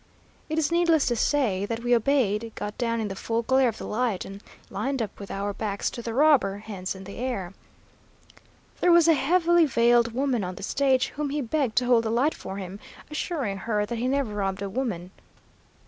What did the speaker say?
It is needless to say that we obeyed, got down in the full glare of the light, and lined up with our backs to the robber, hands in the air. There was a heavily veiled woman on the stage, whom he begged to hold the light for him, assuring her that he never robbed a woman.